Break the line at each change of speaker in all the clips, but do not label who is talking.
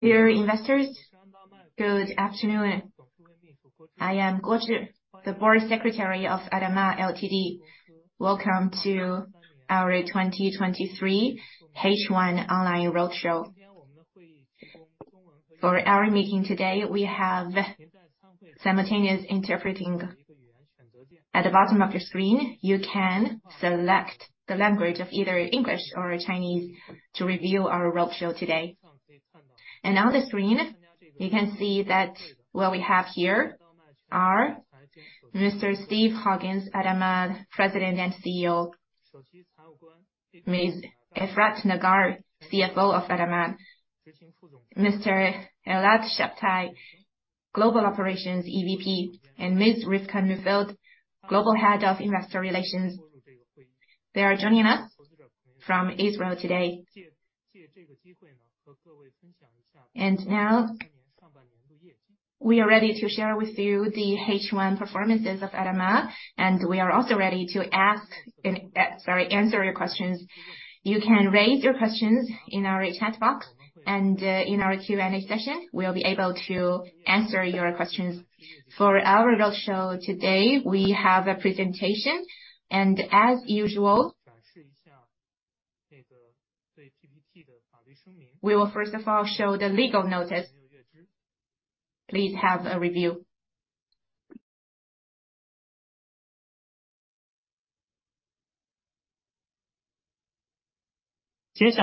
Dear investors, good afternoon. I am Guo Zhi, the Board Secretary of ADAMA Ltd. Welcome to our 2023 H1 Online Roadshow. For our meeting today, we have simultaneous interpreting. At the bottom of your screen, you can select the language of either English or Chinese to review our roadshow today. On the screen, you can see that what we have here are Mr. Steve Hawkins, ADAMA President and CEO. Ms. Efrat Nagar, CFO of ADAMA. Mr. Elad Shabtai, Global Operations EVP, and Ms. Rivka Neufeld, Global Head of Investor Relations. They are joining us from Israel today. Now we are ready to share with you the H1 performances of ADAMA, and we are also ready to answer your questions. You can raise your questions in our chat box and in our Q&A session, we'll be able to answer your questions. For our roadshow today, we have a presentation, and as usual, we will first of all show the legal notice. Please have a review. Let's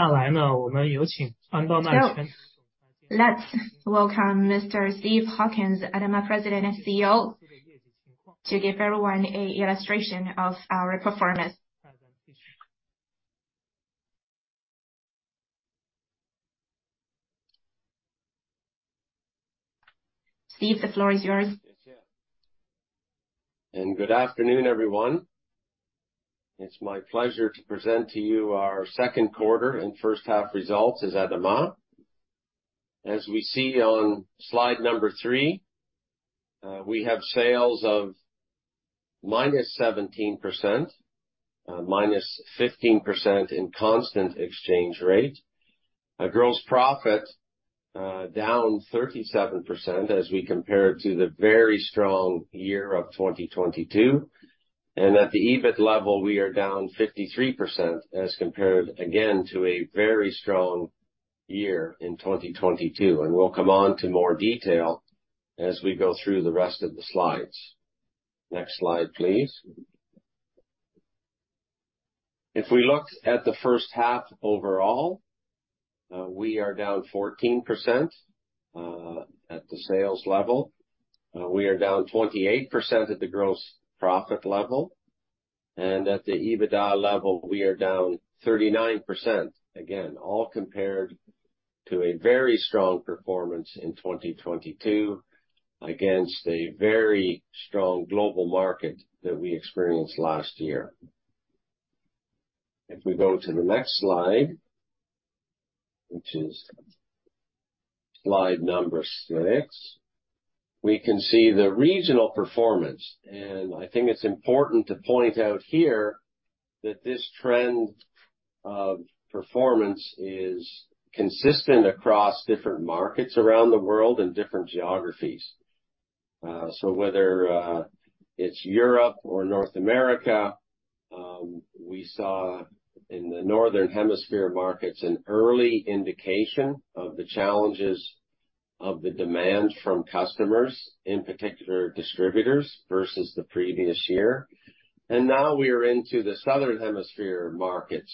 welcome Mr. Steve Hawkins, ADAMA President and CEO, to give everyone an illustration of our performance. Steve, the floor is yours.
Yes, yeah. Good afternoon, everyone. It's my pleasure to present to you our second quarter and first half results as ADAMA. As we see on slide number three, we have sales of -17%, and -15% in constant exchange rate. A gross profit, down 37% as we compare it to the very strong year of 2022. And at the EBIT level, we are down 53% as compared again to a very strong year in 2022. And we'll come on to more detail as we go through the rest of the slides. Next slide, please. If we look at the first half overall, we are down 14% at the sales level. We are down 28% at the gross profit level, and at the EBITDA level, we are down 39%. Again, all compared to a very strong performance in 2022, against a very strong global market that we experienced last year. If we go to the next slide, which is slide number six, we can see the regional performance. I think it's important to point out here that this trend of performance is consistent across different markets around the world and different geographies. So whether it's Europe or North America, we saw in the Northern Hemisphere markets, an early indication of the challenges of the demand from customers, in particular, distributors, versus the previous year. Now we are into the Southern Hemisphere markets,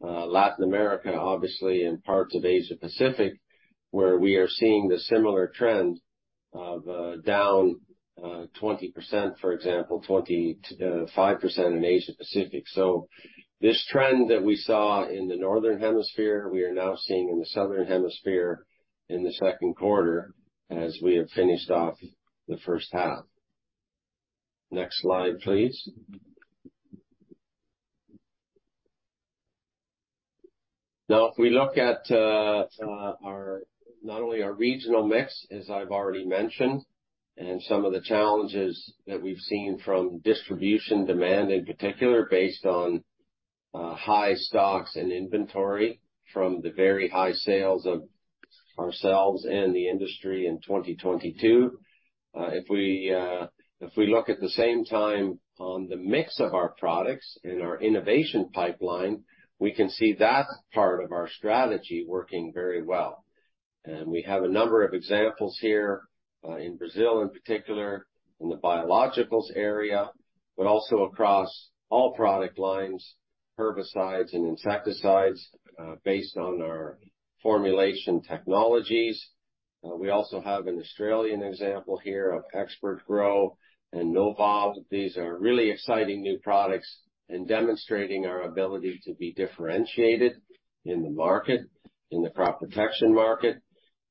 Latin America, obviously, and parts of Asia Pacific, where we are seeing the similar trend of down 20%, for example, 20%-5% in Asia Pacific. So this trend that we saw in the Northern Hemisphere, we are now seeing in the Southern Hemisphere in the second quarter, as we have finished off the first half. Next slide, please. Now, if we look at our, not only our regional mix, as I've already mentioned, and some of the challenges that we've seen from distribution demand, in particular, based on high stocks and inventory from the very high sales of ourselves and the industry in 2022. If we look at the same time on the mix of our products and our innovation pipeline, we can see that part of our strategy working very well. And we have a number of examples here in Brazil in particular, in the biologicals area, but also across all product lines, herbicides and insecticides, based on our formulation technologies. We also have an Australian example here of Expert Grow and Noval. These are really exciting new products in demonstrating our ability to be differentiated in the market, in the crop protection market.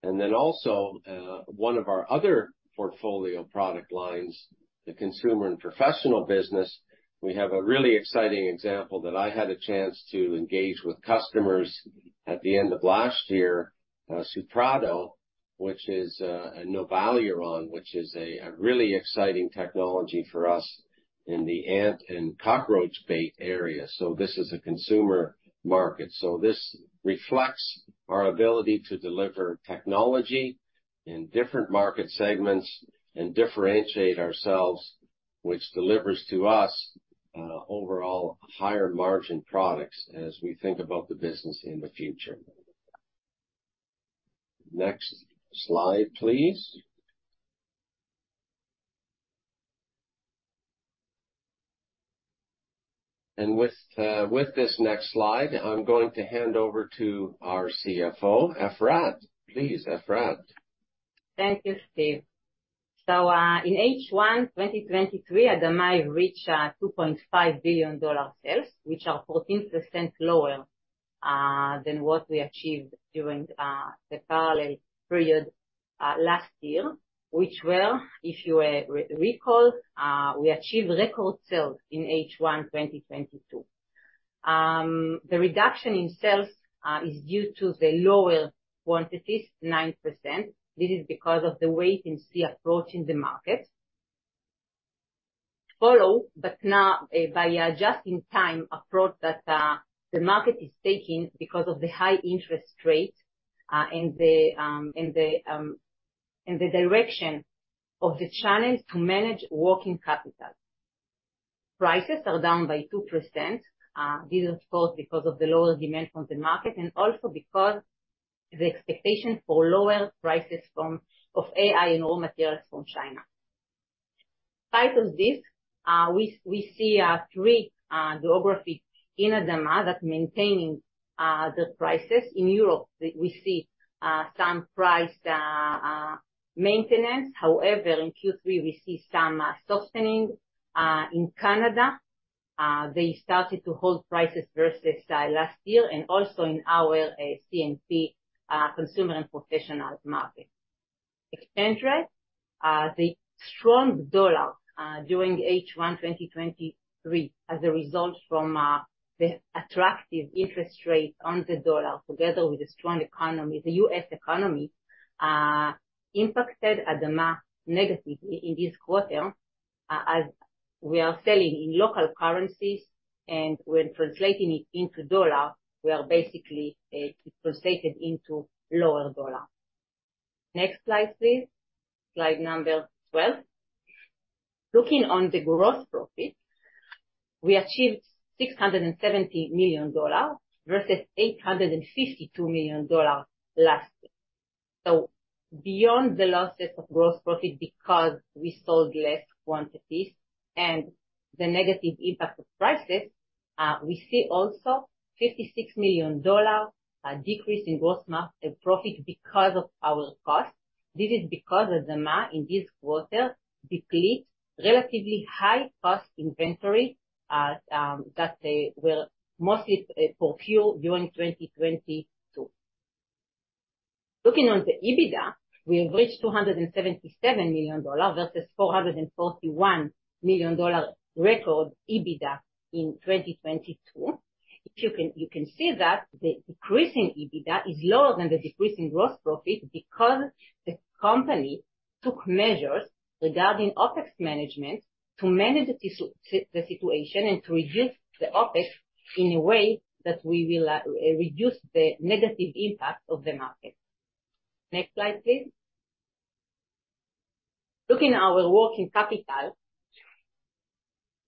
And then also, one of our other portfolio product lines, the consumer and professional business. We have a really exciting example that I had a chance to engage with customers at the end of last year, Suprado, which is, a Novaluron, which is a really exciting technology for us in the ant and cockroach bait area, so this is a consumer market. So this reflects our ability to deliver technology in different market segments and differentiate ourselves, which delivers to us, overall higher margin products as we think about the business in the future. Next slide, please. And with this next slide, I'm going to hand over to our CFO, Efrat. Please, Efrat.
Thank you, Steve. So, in H1 2023, ADAMA reached $2.5 billion sales, which are 14% lower than what we achieved during the parallel period last year, which were, if you recall, we achieved record sales in H1 2022. The reduction in sales is due to the lower quantities, 9%. This is because of the wait-and-see approach in the market. Follow, but not by a just-in-time approach that the market is taking because of the high interest rate and the direction of the challenge to manage working capital. Prices are down by 2%, this is of course because of the lower demand from the market and also because the expectation for lower prices of AI and raw materials from China. Despite of this, we see three geographies in ADAMA that maintaining the prices. In Europe, we see some price maintenance. However, in Q3, we see some softening. In Canada, they started to hold prices versus last year, and also in our C&P, consumer and professional market. Exchange rate, the strong dollar during H1 2023, as a result from the attractive interest rate on the dollar, together with the strong economy, the US economy, impacted ADAMA negatively in this quarter, as we are selling in local currencies, and when translating it into dollar, we are basically, it translated into lower dollar. Next slide, please. Slide number 12. Looking on the gross profit, we achieved $670 million versus $852 million last year. So beyond the losses of gross profit, because we sold less quantities and the negative impact of prices, we see also $56 million, a decrease in gross profit because of our cost. This is because ADAMA, in this quarter, deplete relatively high-cost inventory, that they were mostly procure during 2022. Looking on the EBITDA, we have reached $277 million versus $441 million record EBITDA in 2022. You can see that the decrease in EBITDA is lower than the decrease in gross profit because the company took measures regarding OpEx management to manage the situation and to reduce the OpEx in a way that we will reduce the negative impact of the market. Next slide, please. Looking at our working capital.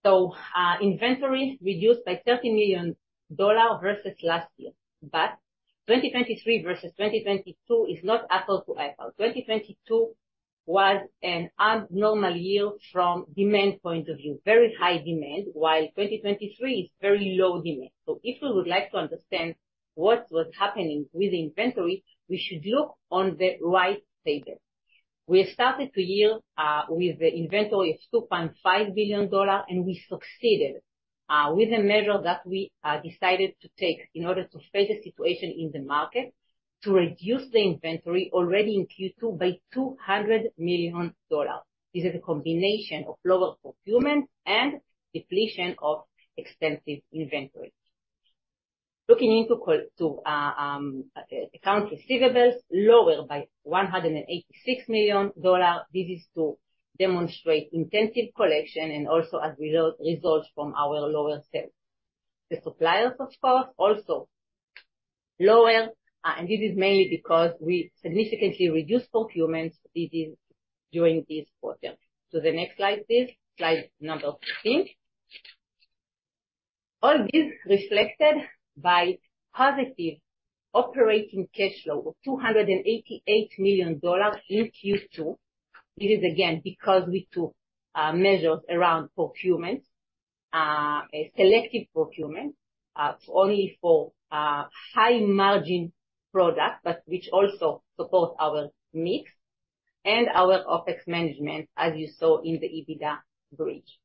So, inventory reduced by $30 million versus last year, but 2023 versus 2022 is not apples to apples. 2022 was an abnormal year from demand point of view, very high demand, while 2023 is very low demand. So if we would like to understand what was happening with the inventory, we should look on the right table. We have started the year with the inventory of $2.5 billion, and we succeeded with the measure that we decided to take in order to face the situation in the market, to reduce the inventory already in Q2 by $200 million. This is a combination of lower procurement and depletion of expensive inventories. Looking into accounts receivable, lower by $186 million. This is to demonstrate intensive collection and also as result, results from our lower sales. The suppliers, of course, also lower, and this is mainly because we significantly reduced procurements. This is during this quarter. To the next slide, please. Slide number 15. All this reflected by positive operating cash flow of $288 million in Q2. This is again, because we took measures around procurement, a selective procurement, only for high margin products, but which also support our mix and our OpEx management, as you saw in the EBITDA bridge.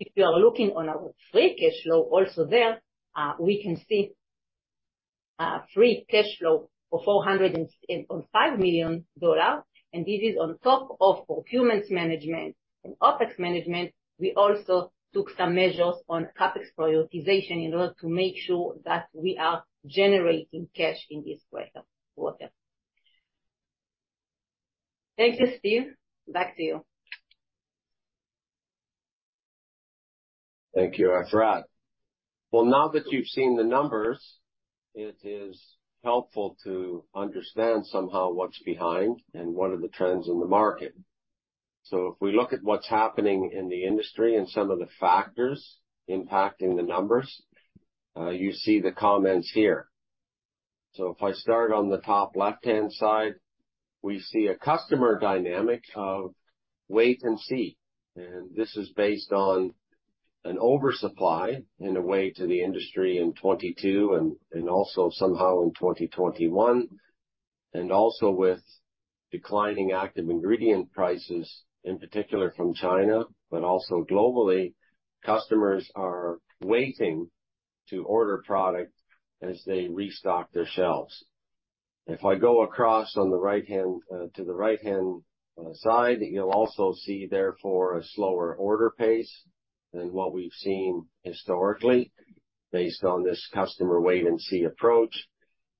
If you are looking on our free cash flow, also there, we can see free cash flow of $405 million dollar, and this is on top of procurements management and OpEx management. We also took some measures on CapEx prioritization in order to make sure that we are generating cash in this quarter. Thank you, Steve. Back to you.
Thank you, Efrat. Well, now that you've seen the numbers, it is helpful to understand somehow what's behind and what are the trends in the market. So if we look at what's happening in the industry and some of the factors impacting the numbers, you see the comments here. So if I start on the top left-hand side, we see a customer dynamic of wait and see, and this is based on an oversupply, in a way, to the industry in 2022 and also somehow in 2021, and also with declining active ingredient prices, in particular from China, but also globally, customers are waiting to order product as they restock their shelves. If I go across on the right-hand to the right-hand side, you'll also see therefore a slower order pace than what we've seen historically, based on this customer wait-and-see approach.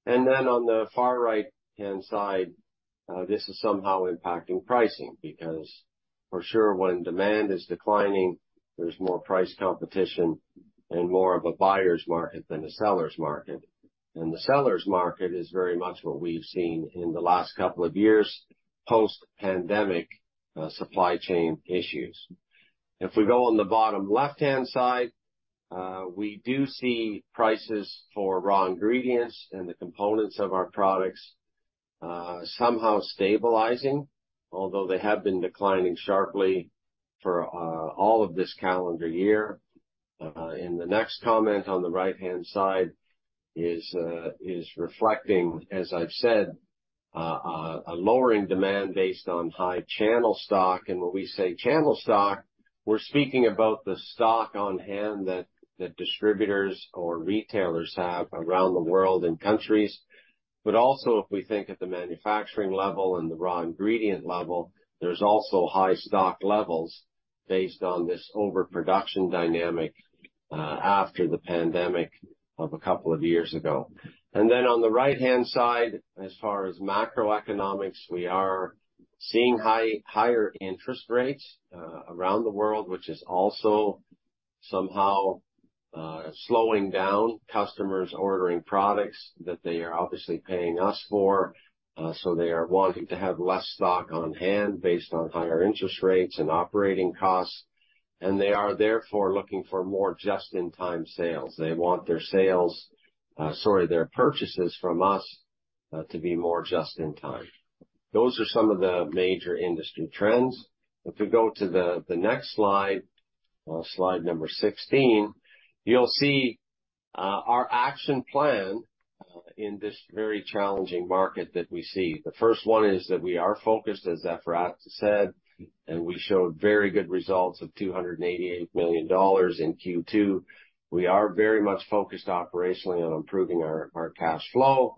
And then on the far right-hand side, this is somehow impacting pricing, because for sure, when demand is declining, there's more price competition and more of a buyer's market than a seller's market. And the seller's market is very much what we've seen in the last couple of years, post-pandemic, supply chain issues. If we go on the bottom left-hand side, we do see prices for raw ingredients and the components of our products, somehow stabilizing, although they have been declining sharply for all of this calendar year. In the next comment on the right-hand side is reflecting, as I've said, a lowering demand based on high channel stock. And when we say channel stock, we're speaking about the stock on hand that distributors or retailers have around the world in countries. But also, if we think at the manufacturing level and the raw ingredient level, there's also high stock levels based on this overproduction dynamic after the pandemic of a couple of years ago. And then on the right-hand side, as far as macroeconomics, we are seeing higher interest rates around the world, which is also somehow slowing down customers ordering products that they are obviously paying us for. So they are wanting to have less stock on hand based on higher interest rates and operating costs, and they are therefore looking for more just-in-time sales. They want their sales, sorry, their purchases from us, to be more just in time. Those are some of the major industry trends. If we go to the next slide, slide number 16, you'll see our action plan in this very challenging market that we see. The first one is that we are focused, as Efrat said, and we showed very good results of $288 million in Q2. We are very much focused operationally on improving our cash flow.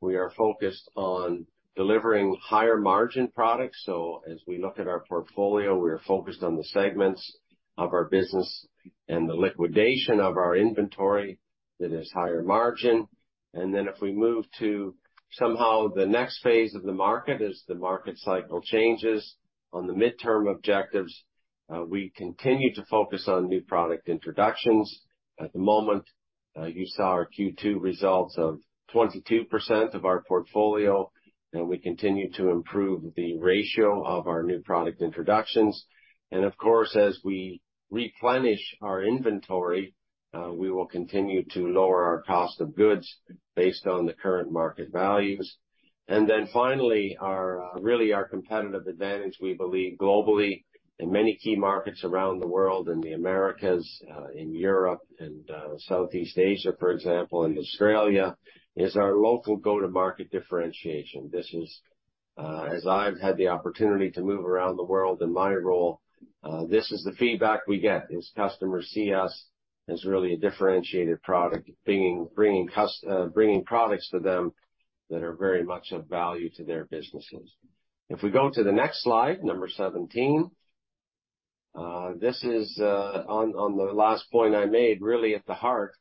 We are focused on delivering higher margin products. So as we look at our portfolio, we are focused on the segments of our business and the liquidation of our inventory that is higher margin. And then if we move to somehow the next phase of the market, as the market cycle changes. On the midterm objectives, we continue to focus on new product introductions. At the moment, you saw our Q2 results of 22% of our portfolio, and we continue to improve the ratio of our new product introductions. Of course, as we replenish our inventory, we will continue to lower our cost of goods based on the current market values. Then finally, our really our competitive advantage, we believe globally in many key markets around the world, in the Americas, in Europe and, Southeast Asia, for example, and Australia, is our local go-to-market differentiation. This is, as I've had the opportunity to move around the world in my role, this is the feedback we get, is customers see us as really a differentiated product, being, bringing products to them that are very much of value to their businesses. If we go to the next slide, number 17. This is on the last point I made, really at the heart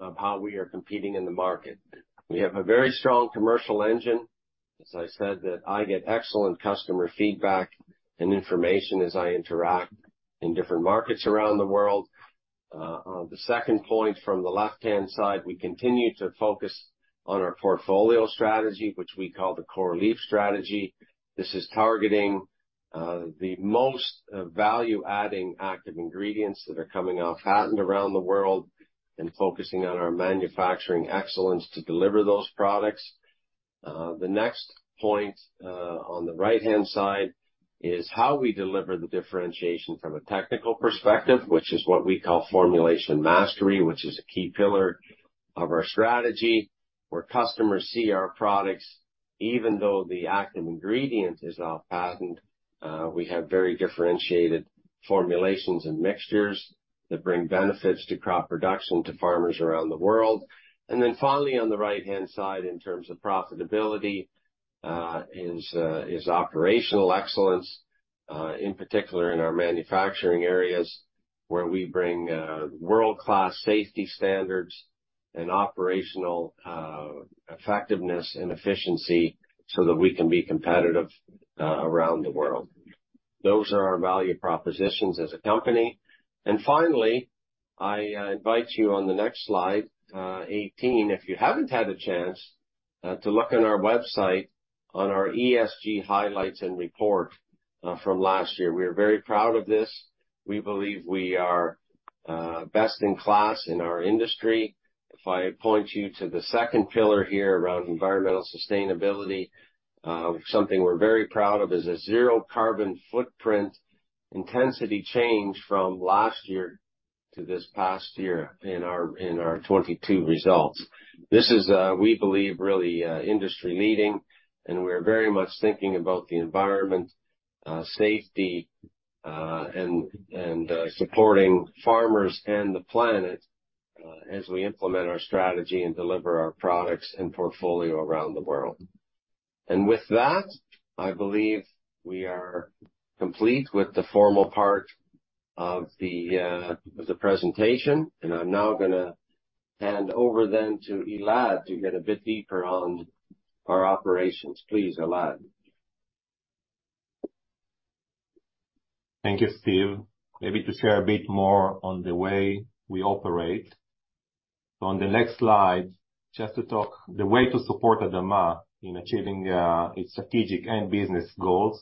of how we are competing in the market. We have a very strong commercial engine, as I said, that I get excellent customer feedback and information as I interact in different markets around the world. On the second point, from the left-hand side, we continue to focus on our portfolio strategy, which we call the Core Leaf Strategy. This is targeting the most value-adding Active Ingredients that are coming off patent around the world and focusing on our manufacturing excellence to deliver those products. The next point on the right-hand side is how we deliver the differentiation from a technical perspective, which is what we call Formulation Mastery, which is a key pillar of our strategy, where customers see our products. Even though the active ingredient is off patent, we have very differentiated formulations and mixtures that bring benefits to crop production to farmers around the world. And then finally, on the right-hand side, in terms of profitability, is operational excellence in particular, in our manufacturing areas, where we bring world-class safety standards and operational effectiveness and efficiency so that we can be competitive around the world. Those are our value propositions as a company. And finally, I invite you on the next slide 18, if you haven't had a chance to look on our website on our ESG highlights and report from last year. We are very proud of this. We believe we are best in class in our industry. If I point you to the second pillar here around environmental sustainability, something we're very proud of is a zero carbon footprint intensity change from last year to this past year in our 2022 results. This is, we believe, really, industry-leading, and we're very much thinking about the environment, safety, and supporting farmers and the planet, as we implement our strategy and deliver our products and portfolio around the world. And with that, I believe we are complete with the formal part of the presentation, and I'm now gonna hand over then to Elad to get a bit deeper on our operations. Please, Elad.
Thank you, Steve. Maybe to share a bit more on the way we operate. On the next slide, just to talk, the way to support ADAMA in achieving its strategic and business goals.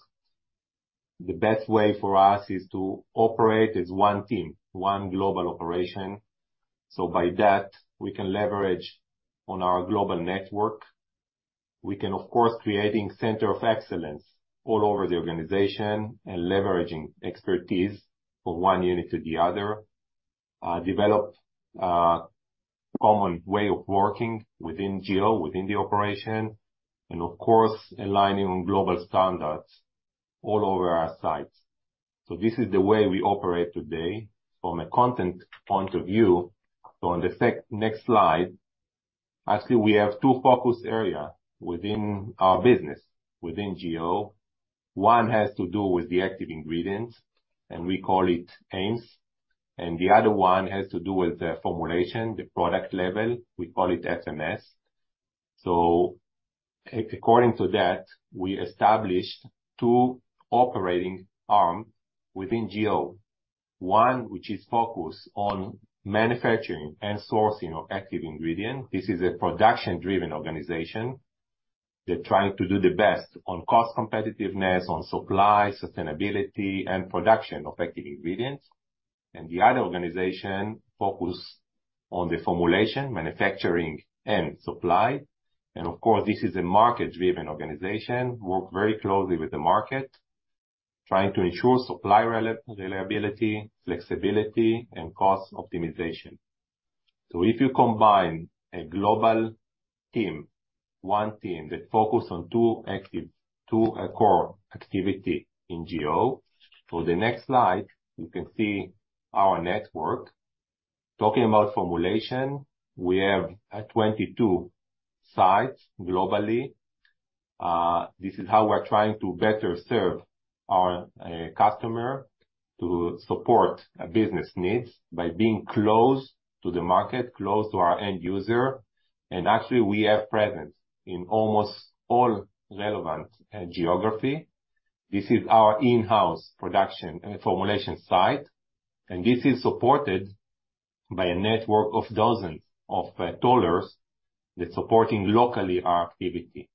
The best way for us is to operate as one team, one global operation, so by that, we can leverage on our global network. We can, of course, creating center of excellence all over the organization and leveraging expertise from one unit to the other, develop common way of working within GO, within the operation, and of course, aligning on global standards all over our sites. This is the way we operate today from a content point of view. On the next slide, actually, we have two focus area within our business, within GO. One has to do with the active ingredient, and we call it AIMS, and the other one has to do with the formulation, the product level, we call it SMS. So according to that, we established two operating arms within GO. One, which is focused on manufacturing and sourcing of active ingredient. This is a production-driven organization. They're trying to do the best on cost competitiveness, on supply, sustainability, and production of active ingredients. And the other organization focus on the formulation, manufacturing, and supply. And of course, this is a market-driven organization, work very closely with the market, trying to ensure supply reliability, flexibility, and cost optimization. So if you combine a global team, one team that focus on two active, two, core activity in GO. So the next slide, you can see our network. Talking about formulation, we have 22 sites globally. This is how we're trying to better serve our customer to support business needs by being close to the market, close to our end user. Actually, we have presence in almost all relevant geography. This is our in-house production and formulation site, and this is supported by a network of dozens of tollers that's supporting locally our activity.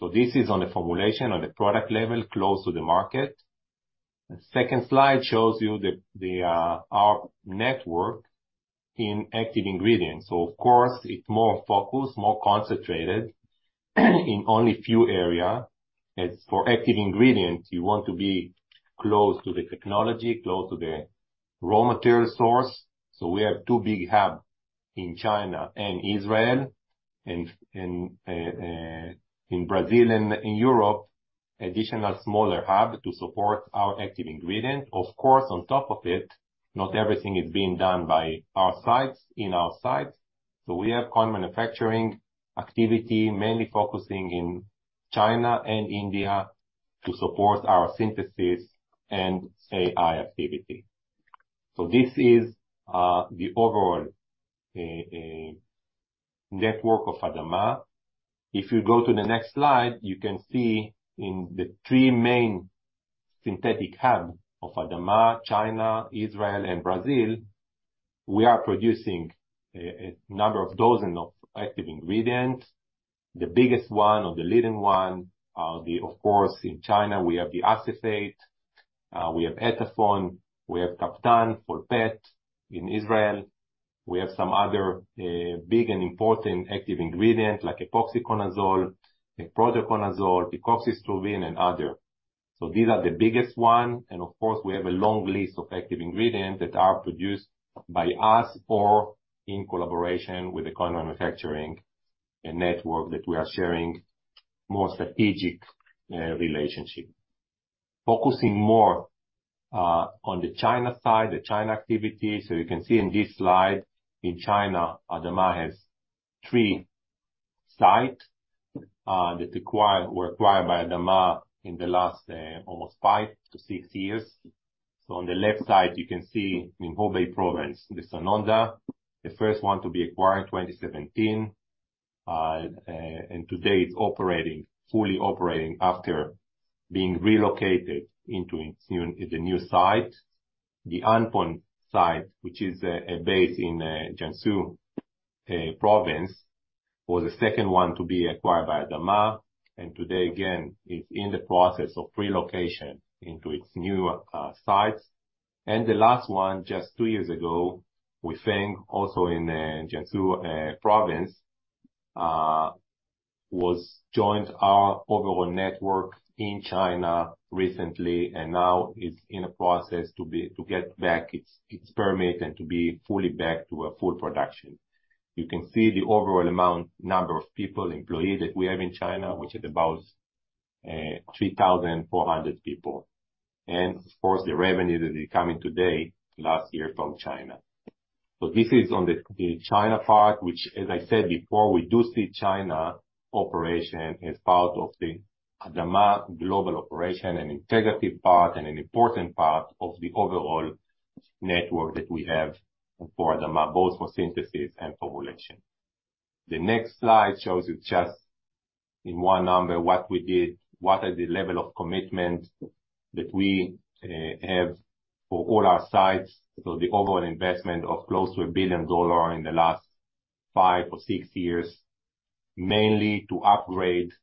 So this is on the formulation, on the product level, close to the market. The second slide shows you our network in active ingredients. So of course, it's more focused, more concentrated, in only few area. As for active ingredients, you want to be close to the technology, close to the raw material source. So we have two big hub in China and Israel, and in Brazil and in Europe, additional smaller hub to support our active ingredient. Of course, on top of it, not everything is being done by our sites, in our sites, so we have co-manufacturing activity, mainly focusing in China and India, to support our synthesis and AI activity. So this is the overall network of ADAMA. If you go to the next slide, you can see in the three main synthetic hub of ADAMA, China, Israel and Brazil, we are producing a number of dozen of active ingredients. The biggest one or the leading one are the... Of course, in China, we have the acephate, we have ethephon, we have Captan, Folpet. In Israel, we have some other big and important active ingredients like epoxiconazole, prothioconazole, picoxystrobin and other. So these are the biggest one, and of course, we have a long list of active ingredients that are produced by us or in collaboration with the co-manufacturing network that we are sharing more strategic relationship. Focusing more on the China side, the China activity. So you can see in this slide, in China, ADAMA has three sites that were acquired by ADAMA in the last almost five to six years. So on the left side, you can see in Hubei province, the Sanonda, the first one to be acquired, 2017. And today it's operating, fully operating, after being relocated into its new, the new site. The Anpon site, which is based in Jiangsu province, was the second one to be acquired by ADAMA, and today, again, is in the process of relocation into its new sites. The last one, just two years ago, Huifeng, also in Jiangsu province, was joined our overall network in China recently, and now is in a process to get back its permit and to be fully back to a full production. You can see the overall amount, number of people, employees, that we have in China, which is about 3,400 people. And of course, the revenue that is coming today, last year from China. So this is on the China part, which, as I said before, we do see China operation as part of the ADAMA global operation, an integrated part and an important part of the overall network that we have for ADAMA, both for synthesis and for formulation. The next slide shows you just in one number, what we did, what are the level of commitment that we have for all our sites. So the overall investment of close to $1 billion in the last five or six years, mainly to upgrade the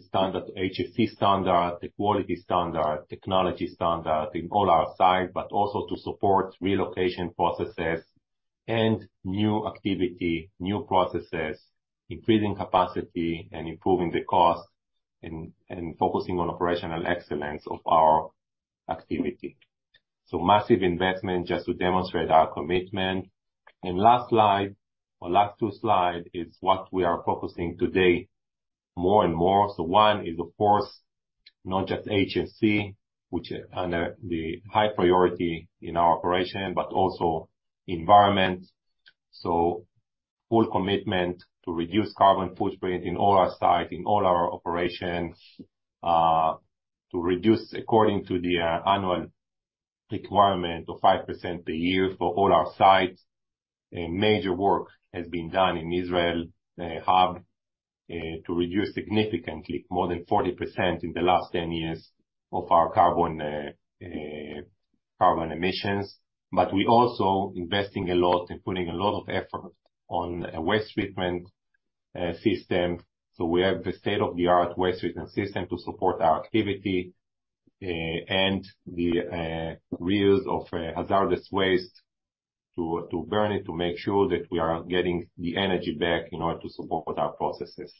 standard, HSE standard, the quality standard, technology standard in all our site, but also to support relocation processes and new activity, new processes, increasing capacity and improving the cost, and focusing on operational excellence of our activity. So massive investment, just to demonstrate our commitment. And last slide, or last two slide, is what we are focusing today more and more. So one is of course, not just HSE, which are under the high priority in our operation, but also environment. So full commitment to reduce carbon footprint in all our sites, in all our operations, to reduce according to the annual requirement of 5% a year for all our sites. A major work has been done in Israel hub to reduce significantly, more than 40% in the last 10 years of our carbon emissions. But we also investing a lot and putting a lot of effort on waste treatment system. So we have the state-of-the-art waste treatment system to support our activity and the reuse of hazardous waste, to burn it, to make sure that we are getting the energy back in order to support our processes.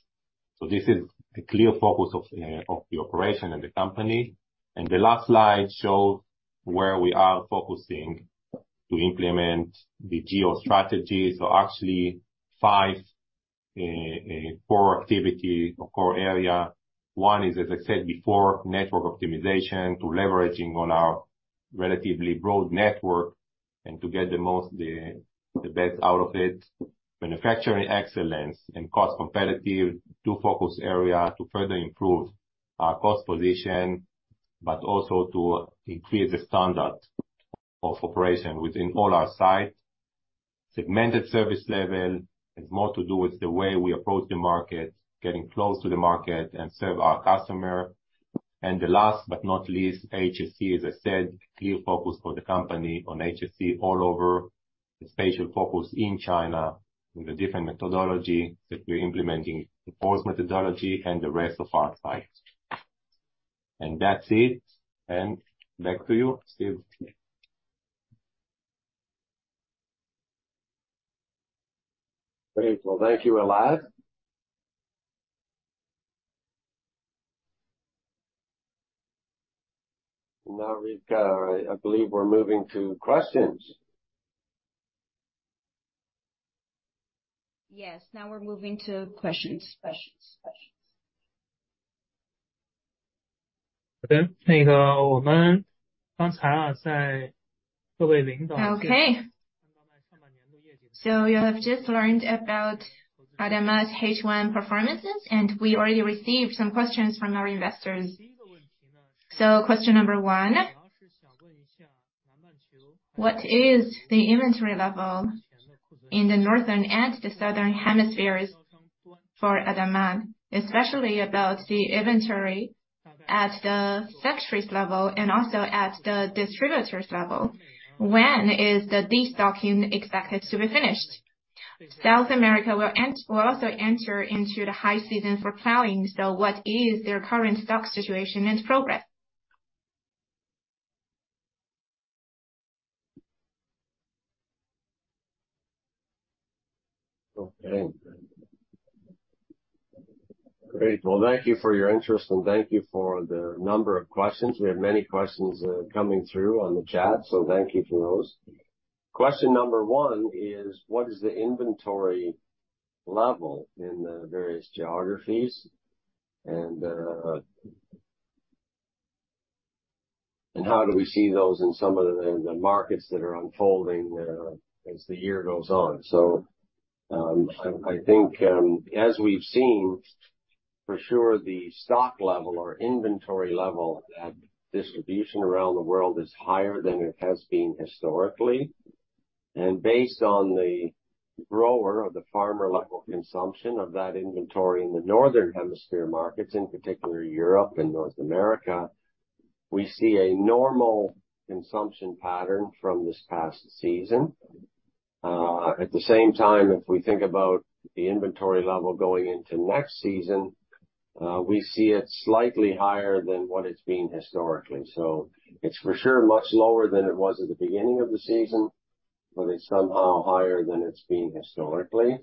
So this is a clear focus of the operation and the company. And the last slide shows where we are focusing to implement the GO strategy. So actually, five core activity or core area. One is, as I said before, network optimization to leveraging on our relatively broad network and to get the most, the best out of it. Manufacturing excellence and cost competitive, two focus area to further improve our cost position, but also to increase the standard of operation within all our sites. Segmented service level has more to do with the way we approach the market, getting close to the market and serve our customer. And the last but not least, HSE, as I said, clear focus for the company on HSE all over the spatial focus in China, in the different methodology that we're implementing, the post methodology and the rest of our sites. And that's it, and back to you, Steve.
Great. Well, thank you, Elad. Now, Rivka, I believe we're moving to questions.
Yes, now we're moving to questions.
Okay. So you have just learned about ADAMA's H1 performances, and we already received some questions from our investors. So question number one: What is the inventory level in the northern and the southern hemispheres for ADAMA, especially about the inventory at the factories level and also at the distributors level? When is the destocking expected to be finished? South America will also enter into the high season for plowing, so what is their current stock situation and progress?
Okay. Great. Well, thank you for your interest, and thank you for the number of questions. We have many questions coming through on the chat, so thank you for those. Question number one is: What is the inventory level in the various geographies? And how do we see those in some of the markets that are unfolding as the year goes on? So, I think, as we've seen, for sure, the stock level or inventory level at distribution around the world is higher than it has been historically. And based on the grower or the farmer-level consumption of that inventory in the Northern Hemisphere markets, in particular, Europe and North America, we see a normal consumption pattern from this past season. At the same time, if we think about the inventory level going into next season, we see it slightly higher than what it's been historically. So it's for sure, much lower than it was at the beginning of the season, but it's somehow higher than it's been historically.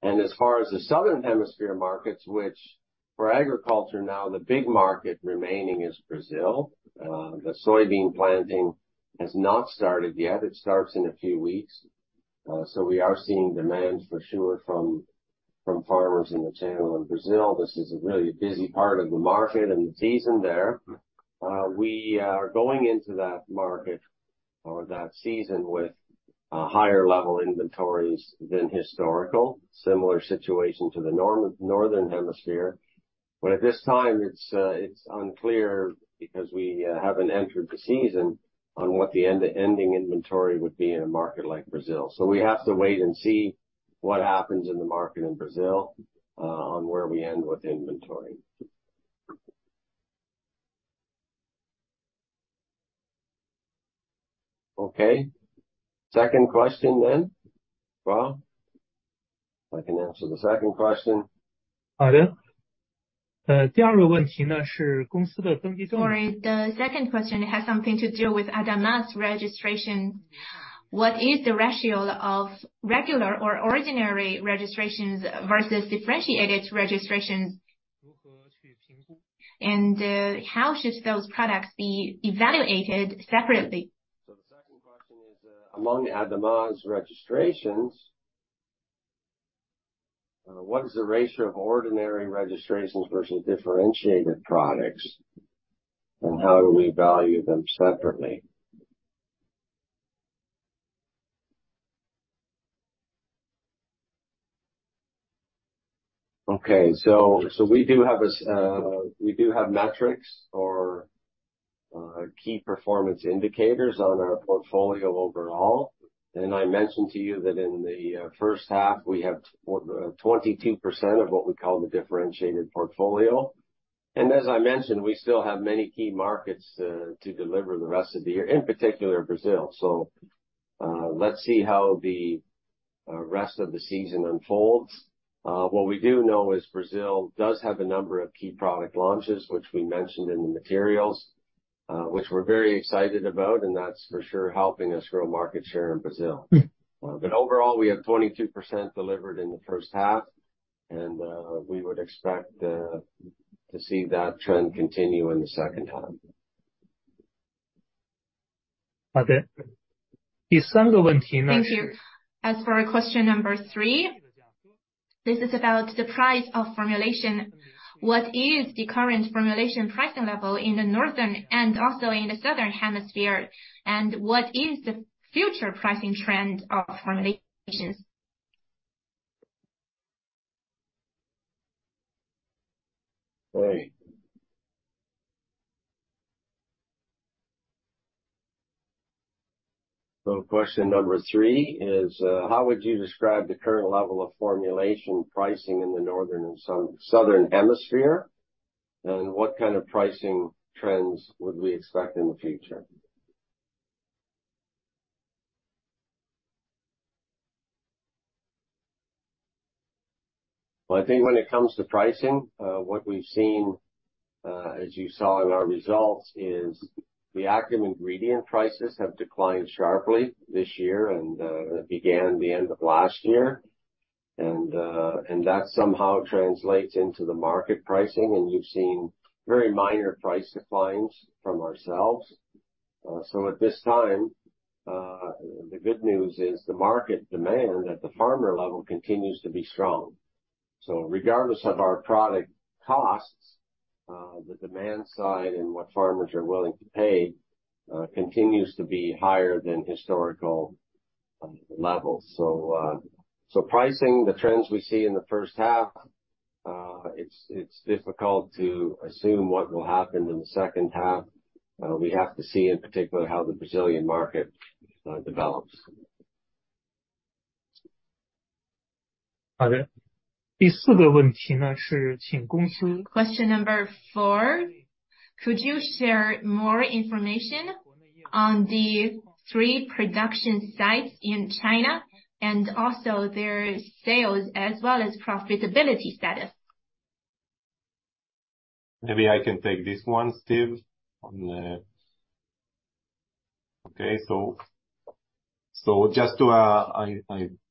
And as far as the Southern Hemisphere markets, which for agriculture now, the big market remaining is Brazil. The soybean planting has not started yet. It starts in a few weeks. So we are seeing demand for sure from, from farmers in the channel in Brazil. This is a really busy part of the market and the season there. We are going into that market or that season with higher level inventories than historical. Similar situation to the Northern Hemisphere. At this time, it's unclear because we haven't entered the season on what the end, the ending inventory would be in a market like Brazil. So we have to wait and see what happens in the market in Brazil on where we end with inventory. Okay. Second question then, Paul? I can answer the second question.
Sorry. The second question has something to do with ADAMA's registration. What is the ratio of regular or ordinary registrations versus differentiated registrations? And, how should those products be evaluated separately?
So the second question is, among ADAMA's registrations, what is the ratio of ordinary registrations versus differentiated products, and how do we value them separately? Okay. So, we do have metrics or key performance indicators on our portfolio overall. And I mentioned to you that in the first half, we have 22% of what we call the differentiated portfolio. And as I mentioned, we still have many key markets to deliver the rest of the year, in particular, Brazil. So, let's see how the rest of the season unfolds. What we do know is Brazil does have a number of key product launches, which we mentioned in the materials, which we're very excited about, and that's for sure helping us grow market share in Brazil. Overall, we have 22% delivered in the first half, and we would expect to see that trend continue in the second half.
Thank you. As for question number three, this is about the price of formulation. What is the current formulation pricing level in the Northern and also in the Southern Hemisphere? And what is the future pricing trend of formulations?
So question number three is: How would you describe the current level of formulation pricing in the Northern and Southern Hemisphere, and what kind of pricing trends would we expect in the future? Well, I think when it comes to pricing, what we've seen, as you saw in our results, is the active ingredient prices have declined sharply this year and began at the end of last year. And that somehow translates into the market pricing, and you've seen very minor price declines from ourselves. So at this time, the good news is the market demand at the farmer level continues to be strong. So regardless of our product costs, the demand side and what farmers are willing to pay, continues to be higher than historical levels. So, pricing, the trends we see in the first half, it's difficult to assume what will happen in the second half. We have to see, in particular, how the Brazilian market develops.
Question number four: Could you share more information on the three production sites in China and also their sales as well as profitability status?
Maybe I can take this one, Steve, on the. Okay, so just to, I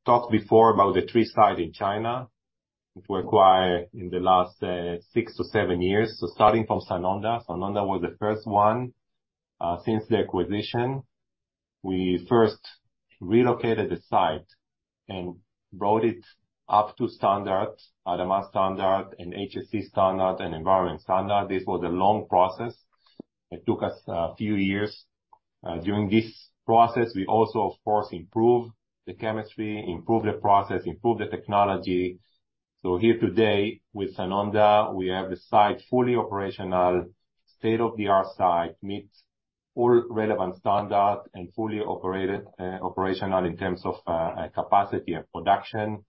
talked before about the three sites in China, which were acquired in the last six to seven years. Starting from Sanonda. Sanonda was the first one since the acquisition. We first relocated the site and brought it up to standard, ADAMA standard, and HSE standard and environment standard. This was a long process. It took us a few years. During this process, we also, of course, improved the chemistry, improved the process, improved the technology. Here today, with Sanonda, we have the site fully operational, state-of-the-art site, meets all relevant standards and fully operational in terms of capacity and production.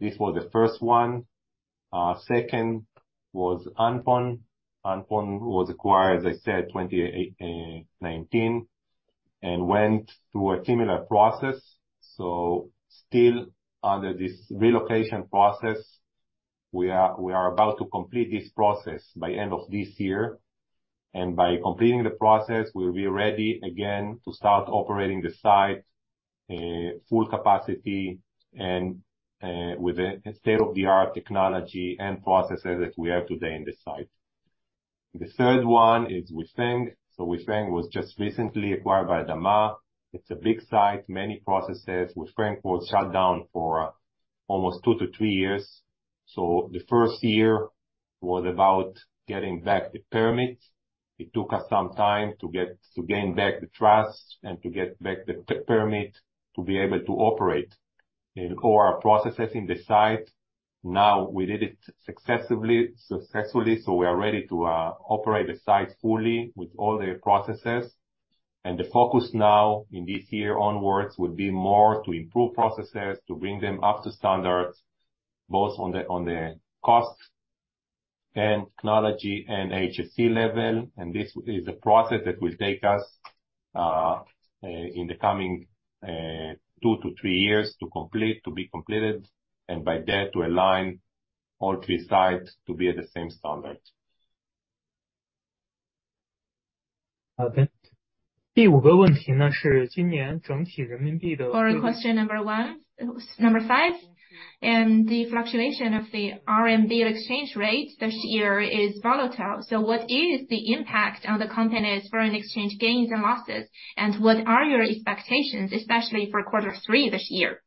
This was the first one. Second was Anpon. Anpon was acquired, as I said, 2019, and went through a similar process. So still under this relocation process, we are about to complete this process by end of this year. And by completing the process, we'll be ready again to start operating the site full capacity and with a state-of-the-art technology and processes that we have today in this site. The third one is Huifeng. So Huifeng was just recently acquired by ADAMA. It's a big site, many processes, which Huifeng was shut down for almost two to three years. So the first year was about getting back the permits. It took us some time to gain back the trust and to get back the permit to be able to operate all our processes in the site. Now, we did it successively, successfully, so we are ready to operate the site fully with all the processes. The focus now, in this year onwards, will be more to improve processes, to bring them up to standards, both on the cost and technology and HSE level. This is a process that will take us in the coming two to three years to complete, to be completed, and by that, to align all three sites to be at the same standard.
Okay. For question number one, number five, and the fluctuation of the RMB exchange rate this year is volatile. So what is the impact on the company's foreign exchange gains and losses, and what are your expectations, especially for quarter three this year?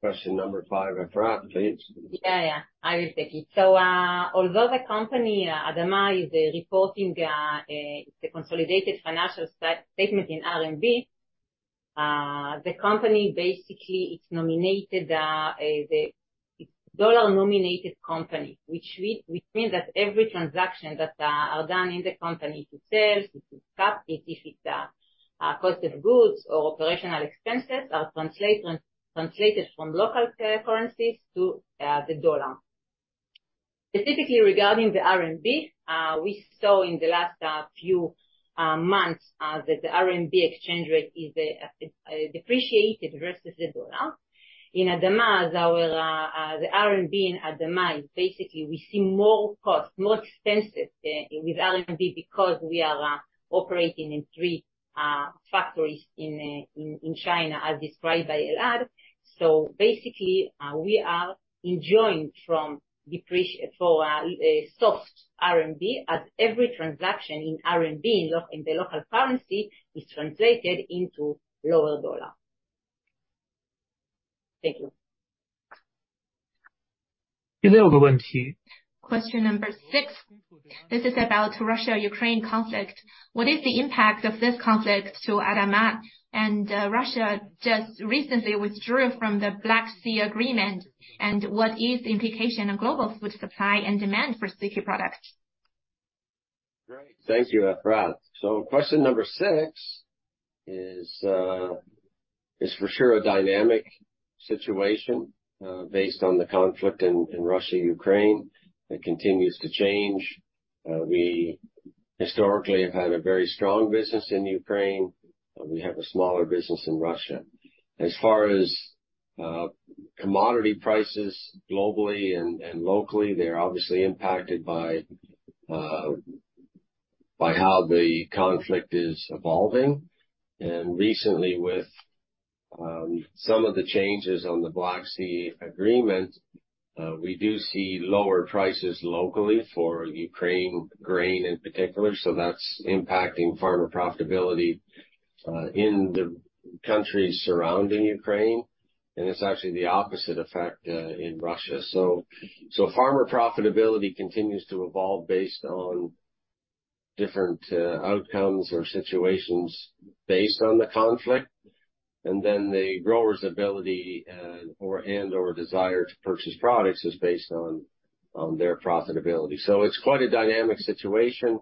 Question number five, Efrat, please.
Yeah, yeah, I will take it. So, although the company, ADAMA, is reporting the consolidated financial statement in RMB, the company, basically, it's dollar-nominated company. Which means that every transaction that are done in the company, to sales, to stock, if it's cost of goods or operational expenses, are translated from local currencies to the dollar. Specifically regarding the RMB, we saw in the last few months that the RMB exchange rate is depreciated versus the dollar. In ADAMA, how the RMB in ADAMA, basically, we see more cost, more expensive with RMB because we are operating in three factories in China, as described by Elad. So basically, we are enjoying from depreciation for a soft RMB, as every transaction in RMB, in the local currency, is translated into lower dollar. Thank you.
Question number six, this is about Russia-Ukraine conflict. What is the impact of this conflict to ADAMA? And, Russia just recently withdrew from the Black Sea agreement, and what is the implication on global food supply and demand for sticky products?
Great. Thank you, Efrat. So question number six is, is for sure a dynamic situation, based on the conflict in Russia, Ukraine. It continues to change. We historically have had a very strong business in Ukraine. We have a smaller business in Russia. As far as, commodity prices, globally and locally, they're obviously impacted by, by how the conflict is evolving. And recently, with, some of the changes on the Black Sea agreement, we do see lower prices locally for Ukraine grain in particular, so that's impacting farmer profitability, in the countries surrounding Ukraine, and it's actually the opposite effect, in Russia. So, farmer profitability continues to evolve based on different, outcomes or situations based on the conflict, and then the growers' ability, or, or desire to purchase products is based on, their profitability. So it's quite a dynamic situation.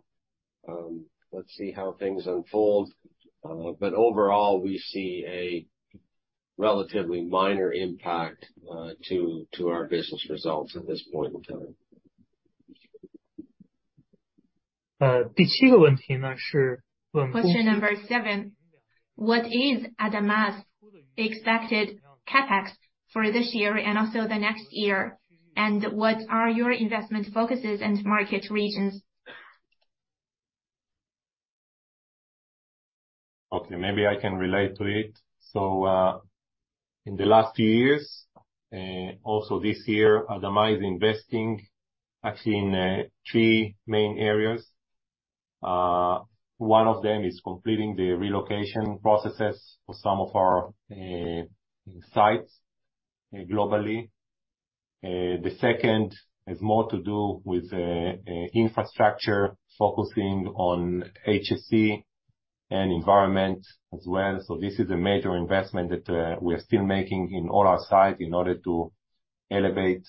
Let's see how things unfold. But overall, we see a relatively minor impact to our business results at this point in time.
Question number seven: What is ADAMA's expected CapEx for this year and also the next year, and what are your investment focuses and market regions?
Okay, maybe I can relate to it. So, in the last few years, also this year, ADAMA is investing actually in three main areas. One of them is completing the relocation processes for some of our sites globally. The second has more to do with infrastructure, focusing on HSE and environment as well. So this is a major investment that we are still making in all our sites in order to elevate,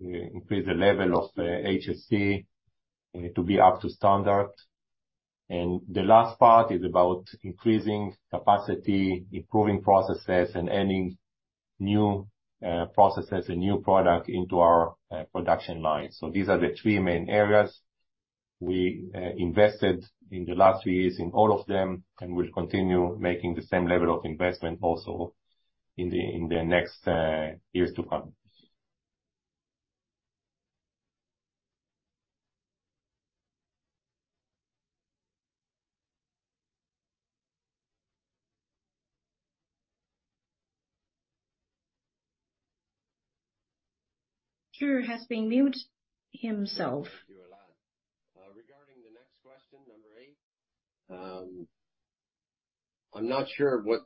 increase the level of HSE to be up to standard. And the last part is about increasing capacity, improving processes, and adding new processes and new product into our production line. So these are the three main areas. We invested in the last three years in all of them, and we'll continue making the same level of investment also in the next years to come.
Sure. He's been muted himself.
Thank you a lot. Regarding the next question, number eight, I'm not sure what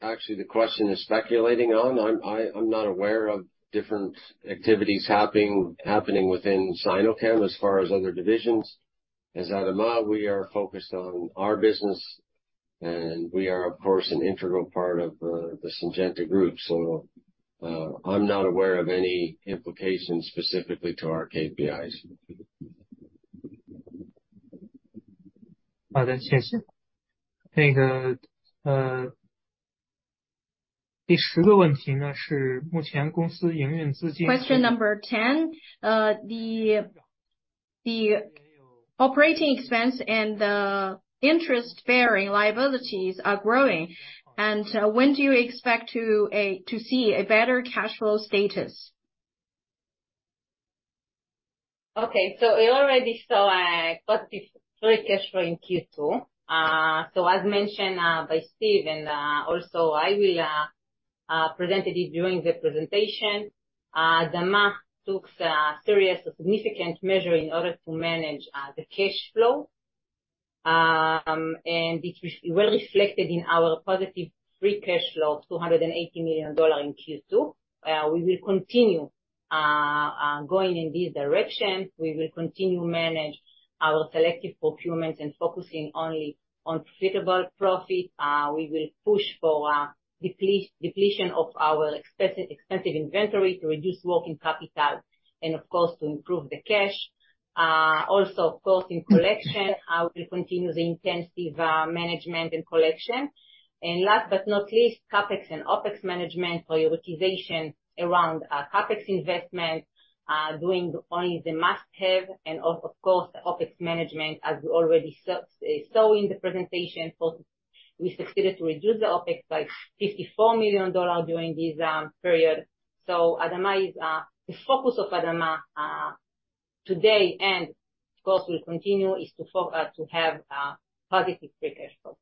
actually the question is speculating on. I'm not aware of different activities happening within Sinochem, as far as other divisions. As ADAMA, we are focused on our business, and we are, of course, an integral part of the Syngenta Group. So, I'm not aware of any implications specifically to our KPIs.
Thank you. Question number 10. The operating expense and the interest-bearing liabilities are growing. When do you expect to see a better cash flow status?
Okay. So we already saw positive free cash flow in Q2. So as mentioned by Steve, and also I will presented it during the presentation. ADAMA took serious or significant measure in order to manage the cash flow. It was well reflected in our positive free cash flow of $280 million in Q2. We will continue going in this direction. We will continue manage our selective procurement and focusing only on suitable profit. We will push for depletion of our expensive inventory to reduce working capital and of course, to improve the cash. Also, of course, in collection, we continue the intensive management and collection. And last but not least, CapEx and OpEx management prioritization around CapEx investment, doing only the must-have and, of course, the OpEx management, as we already saw in the presentation. So we succeeded to reduce the OpEx, like, $54 million during this period. So ADAMA is... The focus of ADAMA today and of course will continue, is to have positive free cash flow.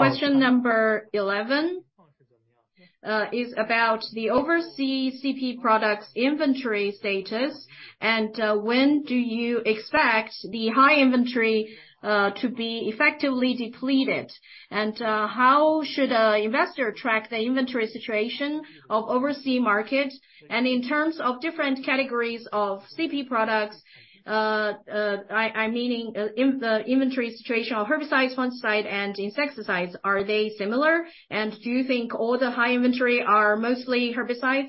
Question number 11 is about the overseas CP products inventory status, and when do you expect the high inventory to be effectively depleted? And how should an investor track the inventory situation of overseas market? And in terms of different categories of CP products, I mean the inventory situation of herbicides, fungicide and insecticides, are they similar? And do you think all the high inventory are mostly herbicides?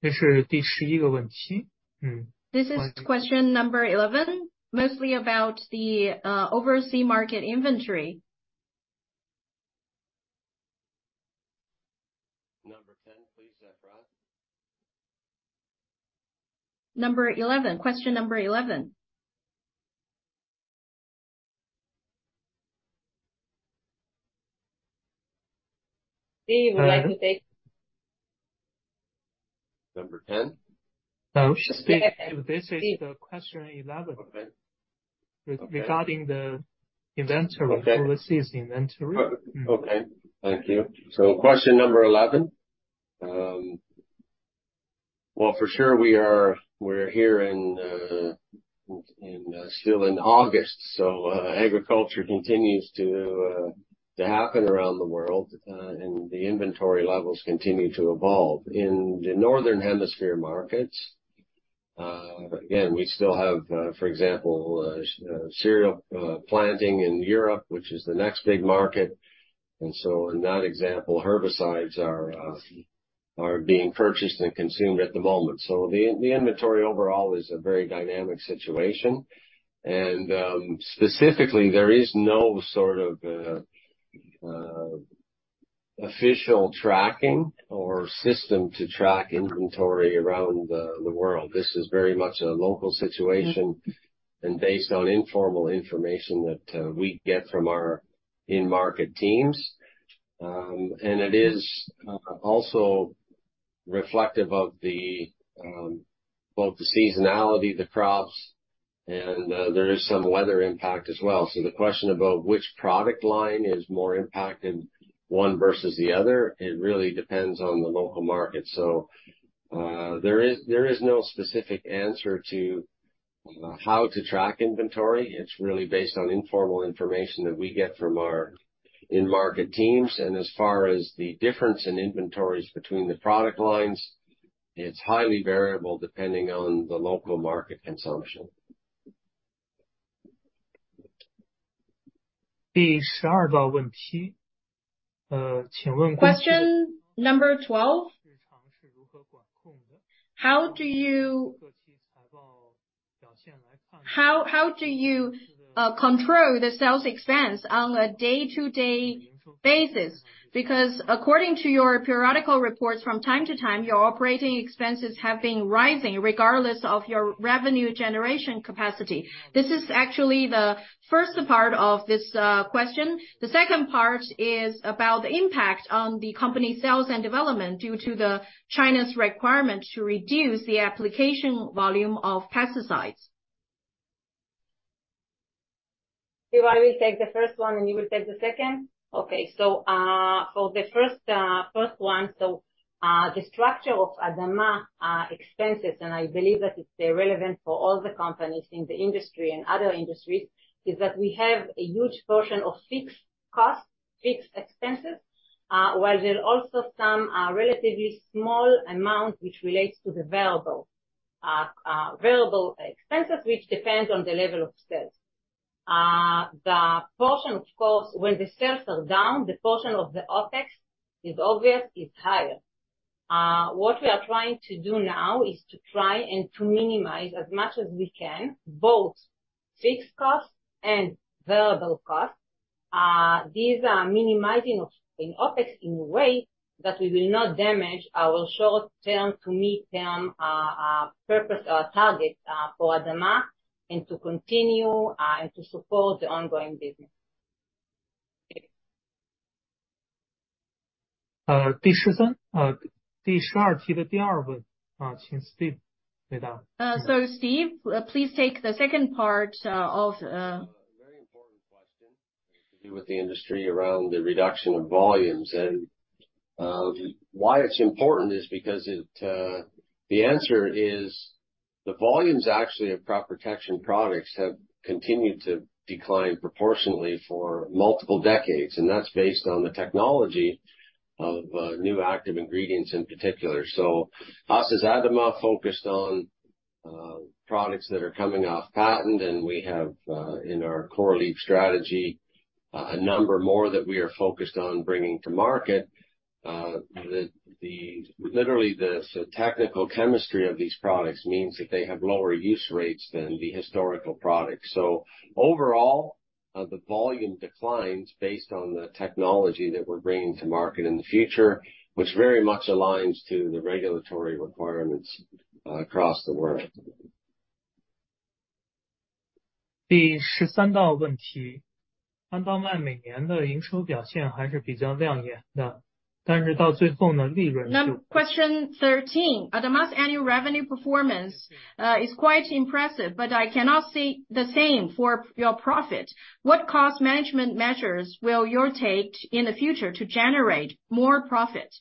This is question number 11, mostly about the overseas market inventory.
Number 10, please, Efrat.
Number 11. Question number 11.
Steve, would you like to take-
Number ten?
No, she's speaking... This is the question 11.
Okay.
Regarding the inventory-
Okay.
Overseas inventory.
Okay. Thank you. So question number 11. Well, for sure we are, we're here in, still in August, so, agriculture continues to happen around the world, and the inventory levels continue to evolve. In the Northern Hemisphere markets, again, we still have, for example, cereal planting in Europe, which is the next big market. And so in that example, herbicides are being purchased and consumed at the moment. So the inventory overall is a very dynamic situation. And, specifically, there is no sort of official tracking or system to track inventory around the world. This is very much a local situation, and based on informal information that we get from our in-market teams. And it is also reflective of both the seasonality, the crops, and there is some weather impact as well. So the question about which product line is more impacted, one versus the other, it really depends on the local market. So there is no specific answer to how to track inventory. It's really based on informal information that we get from our in-market teams. And as far as the difference in inventories between the product lines, it's highly variable depending on the local market consumption.
Question number 12. How do you control the sales expense on a day-to-day basis? Because according to your periodic reports from time to time, your operating expenses have been rising regardless of your revenue generation capacity. This is actually the first part of this question. The second part is about the impact on the company's sales and development, due to China's requirement to reduce the application volume of pesticides.
Steve, I will take the first one, and you will take the second? Okay. So, for the first one, so, the structure of ADAMA expenses, and I believe that it's relevant for all the companies in the industry and other industries, is that we have a huge portion of fixed costs, fixed expenses, while there are also some relatively small amount, which relates to the variable variable expenses, which depends on the level of sales. The portion, of course, when the sales are down, the portion of the OpEx is obvious, is higher. What we are trying to do now, is to try and to minimize as much as we can, both fixed costs and variable costs. These are minimizing of in OpEx in a way that we will not damage our short-term to mid-term purpose or target for ADAMA, and to continue and to support the ongoing business.
So Steve, please take the second part of
Very important question to do with the industry around the reduction of volumes. And why it's important is because it, the answer is, the volumes actually of crop protection products have continued to decline proportionately for multiple decades, and that's based on the technology of new active ingredients in particular. So us, as ADAMA, focused on products that are coming off patent, and we have in our Core Leaf Strategy a number more that we are focused on bringing to market. Literally, the technical chemistry of these products means that they have lower use rates than the historical products. So overall, the volume declines based on the technology that we're bringing to market in the future, which very much aligns to the regulatory requirements across the world.
Question 13. ADAMA's annual revenue performance is quite impressive, but I cannot say the same for your profit. What cost management measures will you take in the future to generate more profit?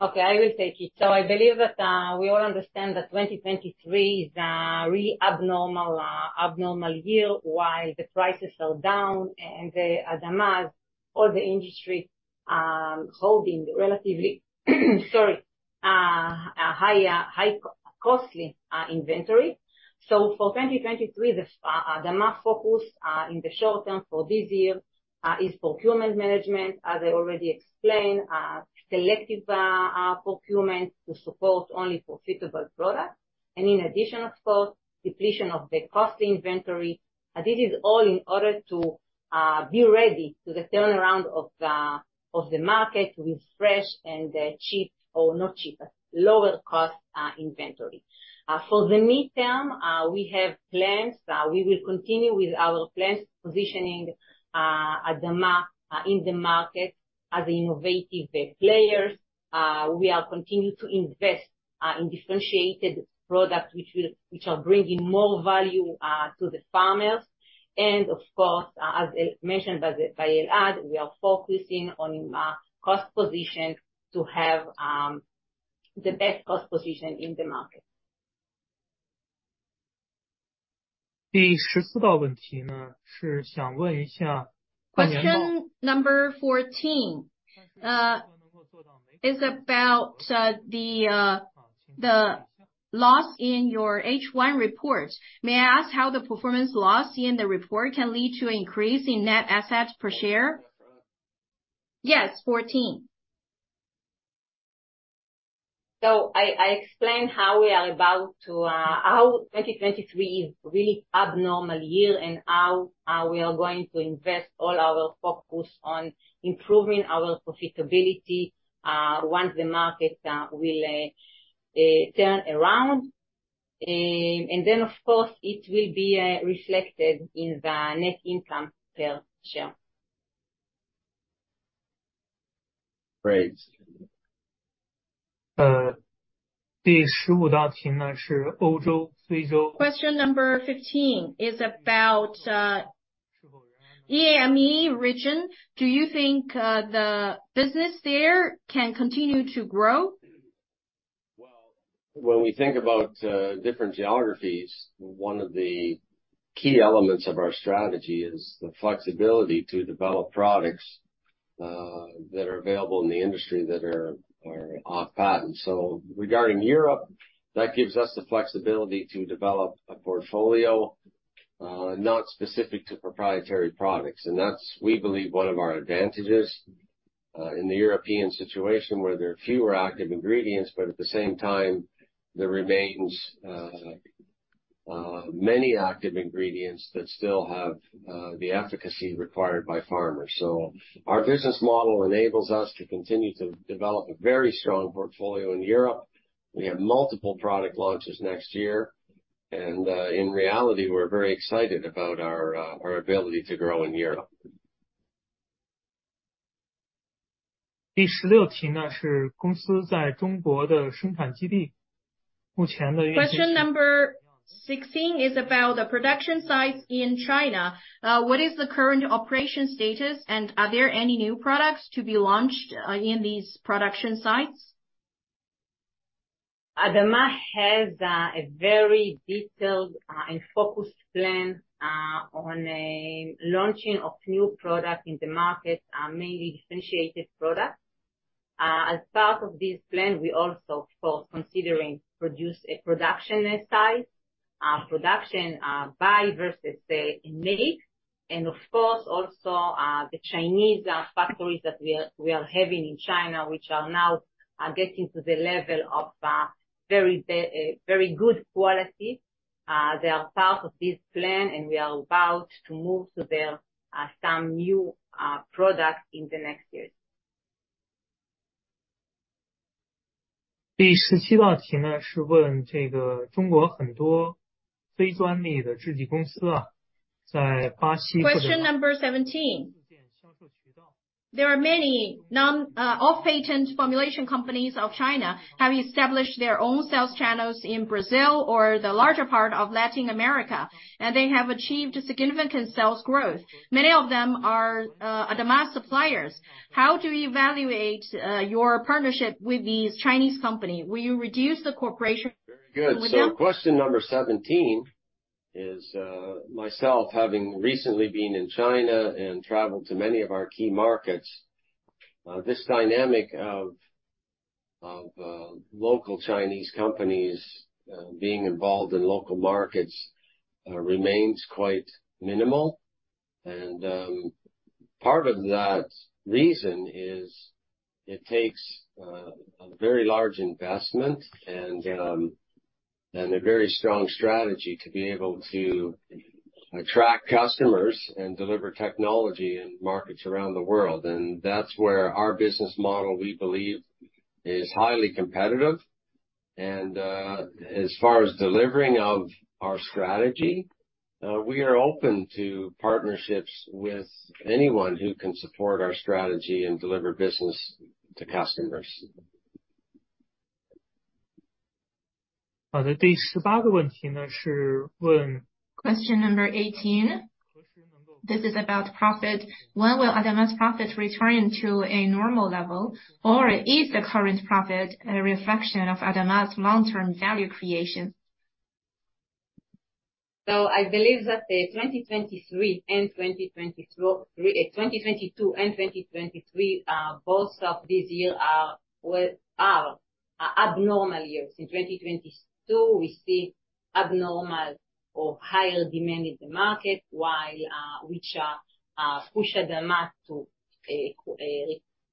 Okay, I will take it. So I believe that we all understand that 2023 is a really abnormal year, while the prices are down and ADAMA's, or the industry, holding relatively, sorry, a higher, high, costly inventory. So for 2023, the ADAMA focus in the short term for this year is procurement management. As I already explained, selective procurement to support only for profitable products, and in addition, of course, depletion of the costly inventory. This is all in order to be ready to the turnaround of the market with fresh and cheap, or not cheap, lower cost inventory. For the midterm, we have plans. We will continue with our plans, positioning ADAMA in the market as an innovative players. We are continuing to invest in differentiated products, which will, which are bringing more value to the farmers. And of course, as mentioned by the, by Elad, we are focusing on cost position to have the best cost position in the market.
Question number 14 is about the loss in your H1 report. May I ask how the performance loss in the report can lead to an increase in net assets per share? Yes, 14.
So I explained how we are about to, how 2023 is really abnormal year and how, we are going to invest all our focus on improving our profitability, once the market will turn around. And then, of course, it will be reflected in the net income per share.
Right.
Question number 15 is about the EME region. Do you think the business there can continue to grow?
Well, when we think about different geographies, one of the key elements of our strategy is the flexibility to develop products that are available in the industry that are off patent. So regarding Europe, that gives us the flexibility to develop a portfolio not specific to proprietary products. And that's, we believe, one of our advantages in the European situation, where there are fewer active ingredients, but at the same time, there remains many active ingredients that still have the efficacy required by farmers. So our business model enables us to continue to develop a very strong portfolio in Europe. We have multiple product launches next year, and in reality, we're very excited about our ability to grow in Europe.
Question number 16 is about the production sites in China. What is the current operation status, and are there any new products to be launched in these production sites?
ADAMA has a very detailed and focused plan on launching of new products in the market, mainly differentiated products. As part of this plan, we also for considering produce a production site, production, buy versus, in make. And of course, also, the Chinese factories that we are, we are having in China, which are now getting to the level of very good quality. They are part of this plan, and we are about to move to their some new products in the next years.
Question number 17. There are many non-off-patent formulation companies of China, have established their own sales channels in Brazil or the larger part of Latin America, and they have achieved significant sales growth. Many of them are, ADAMA's suppliers. How do you evaluate, your partnership with these Chinese company? Will you reduce the cooperation with them?
Very good. So question number 17 is, myself having recently been in China and traveled to many of our key markets, this dynamic of local Chinese companies being involved in local markets remains quite minimal. And part of that reason is it takes a very large investment and a very strong strategy to be able to attract customers and deliver technology in markets around the world. And that's where our business model, we believe, is highly competitive. And as far as delivering of our strategy, we are open to partnerships with anyone who can support our strategy and deliver business to customers.
Question number 18. This is about profit. When will ADAMA's profit return to a normal level, or is the current profit a reflection of ADAMA's long-term value creation?
I believe that the 2023 and 2022, 2022 and 2023, both of these years are abnormal years. In 2022, we see abnormal or higher demand in the market, which push ADAMA to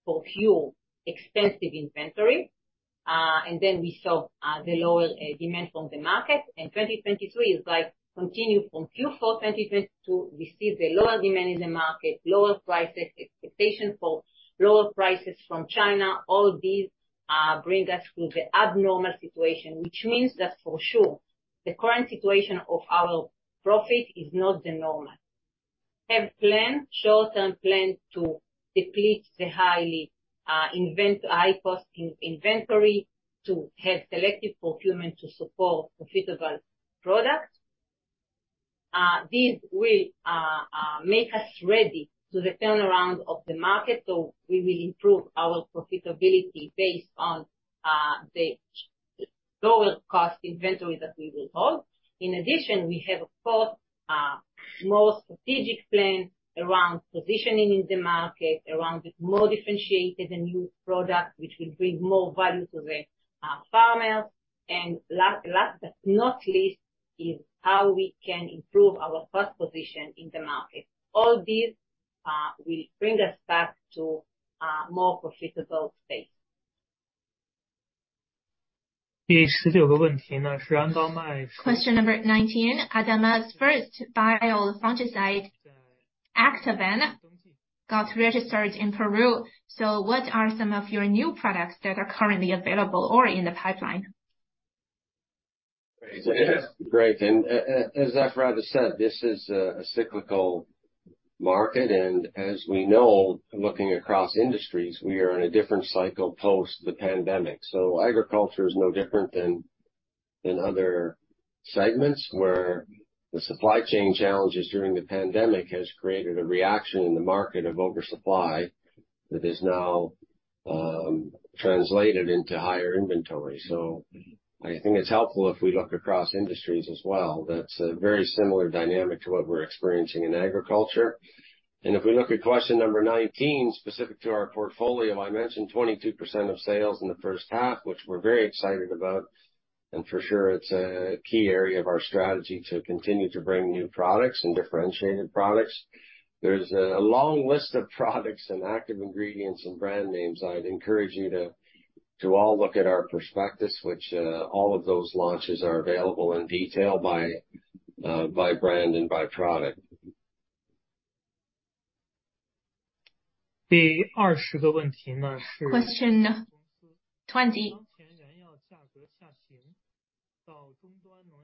procure expensive inventory. Then we saw the lower demand from the market. 2023 is like continued from Q4 2022. We see the lower demand in the market, lower prices, expectation for lower prices from China. All these bring us to the abnormal situation, which means that for sure, the current situation of our profit is not the normal. We have plan, short-term plan to deplete the high-cost inventory, to have selective procurement to support profitable products. This will make us ready to the turnaround of the market, so we will improve our profitability based on the lower cost inventory that we will hold. In addition, we have, of course, more strategic plan around positioning in the market, around the more differentiated and new product, which will bring more value to the farmers. And last, but not least, is how we can improve our first position in the market. All these... will bring us back to more profitable space.
Question number 19. ADAMA's first Biofungicide, Actavan, got registered in Peru. So what are some of your new products that are currently available or in the pipeline?
Great. And as Efrat said, this is a cyclical market, and as we know, looking across industries, we are in a different cycle post the pandemic. So agriculture is no different than other segments, where the supply chain challenges during the pandemic has created a reaction in the market of oversupply that is now translated into higher inventory. So I think it's helpful if we look across industries as well. That's a very similar dynamic to what we're experiencing in agriculture. And if we look at question number 19, specific to our portfolio, I mentioned 22% of sales in the first half, which we're very excited about, and for sure, it's a key area of our strategy to continue to bring new products and differentiated products. There's a long list of products and active ingredients and brand names. I'd encourage you to all look at our prospectus, which all of those launches are available in detail by brand and by product.
Question 20.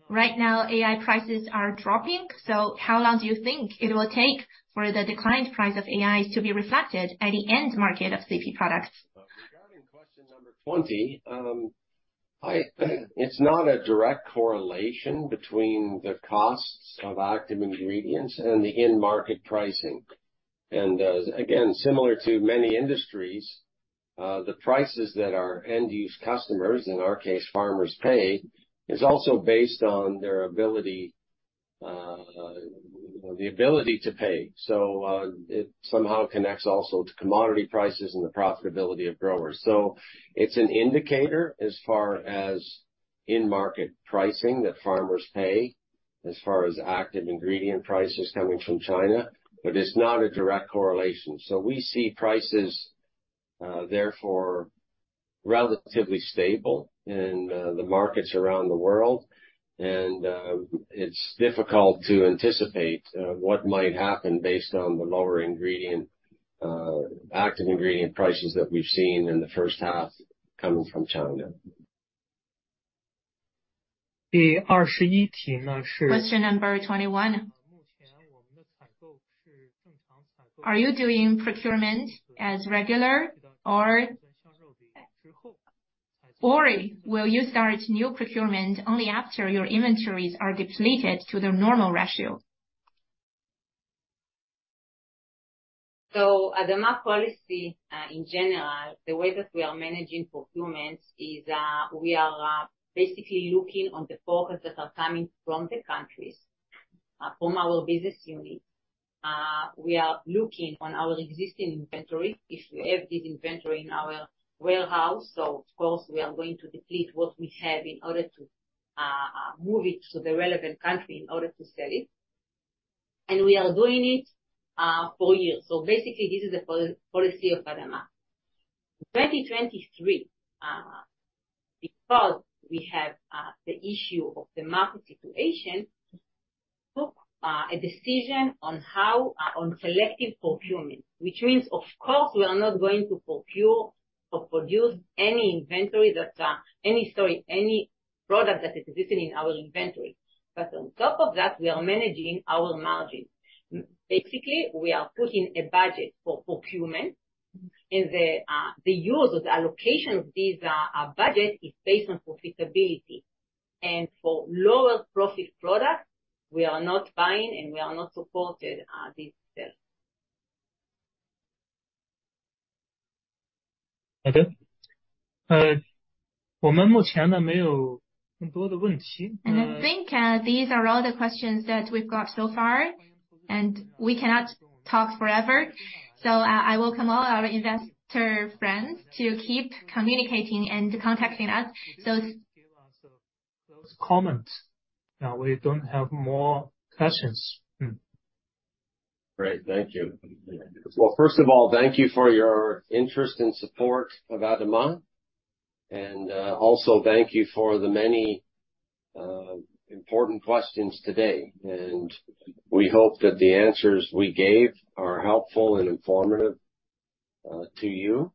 Right now, AI prices are dropping, so how long do you think it will take for the declined price of AI to be reflected at the end market of CP products?
Regarding question number 20, it's not a direct correlation between the costs of active ingredients and the end market pricing. And, again, similar to many industries, the prices that our end use customers, in our case, farmers pay, is also based on their ability, the ability to pay. So, it somehow connects also to commodity prices and the profitability of growers. So it's an indicator as far as in-market pricing, that farmers pay, as far as active ingredient prices coming from China, but it's not a direct correlation. So we see prices, therefore, relatively stable in the markets around the world. And, it's difficult to anticipate what might happen based on the lower ingredient, active ingredient prices that we've seen in the first half coming from China.
Question number 21. Are you doing procurement as regular or will you start new procurement only after your inventories are depleted to their normal ratio?
So ADAMA policy, in general, the way that we are managing procurement is, we are, basically looking on the focus that are coming from the countries, from our business unit. We are looking on our existing inventory if we have this inventory in our warehouse, so of course, we are going to deplete what we have in order to move it to the relevant country in order to sell it. And we are doing it for you. So basically, this is the policy of ADAMA. In 2023, because we have, the issue of the market situation, took, a decision on how, on selective procurement, which means, of course, we are not going to procure or produce any inventory that, any, sorry, any product that is existing in our inventory. On top of that, we are managing our margins. Basically, we are putting a budget for procurement, and the use of the allocation of these budget is based on profitability. For lower profit products, we are not buying and we are not supported these sales.
Okay. And I think, these are all the questions that we've got so far, and we cannot talk forever, so, I welcome all our investor friends to keep communicating and contacting us. So-
Give us a close comment. We don't have more questions.
Great. Thank you. Well, first of all, thank you for your interest and support of ADAMA, and also, thank you for the many important questions today. And we hope that the answers we gave are helpful and informative to you.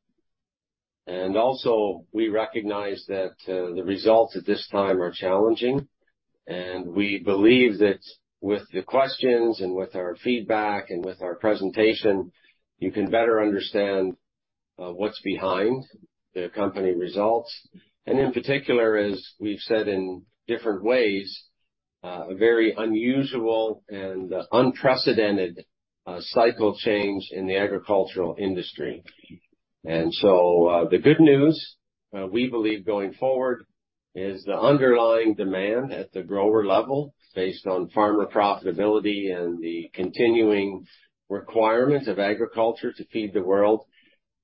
And also, we recognize that the results at this time are challenging, and we believe that with the questions and with our feedback and with our presentation, you can better understand what's behind the company results. And in particular, as we've said in different ways, a very unusual and unprecedented cycle change in the agricultural industry. And so, the good news we believe going forward, is the underlying demand at the grower level, based on farmer profitability and the continuing requirement of agriculture to feed the world,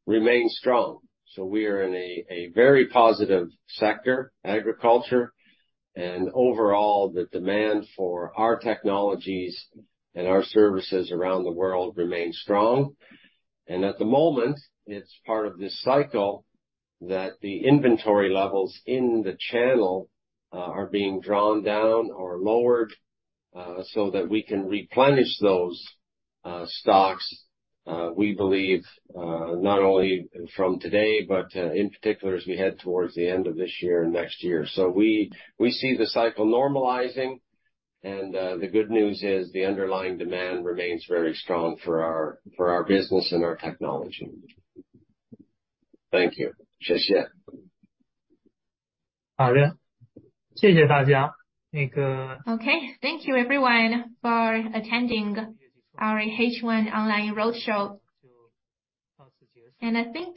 remains strong. So we are in a very positive sector, agriculture, and overall, the demand for our technologies and our services around the world remain strong. And at the moment, it's part of this cycle that the inventory levels in the channel are being drawn down or lowered, so that we can replenish those stocks, we believe, not only from today, but in particular, as we head towards the end of this year and next year. So we see the cycle normalizing, and the good news is the underlying demand remains very strong for our business and our technology. Thank you. Guo Zhi.
Okay. Thank you everyone for attending our H1 online roadshow. I think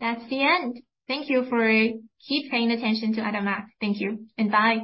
that's the end. Thank you for keeping paying attention to ADAMA. Thank you, and bye.